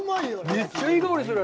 めっちゃいい香りする！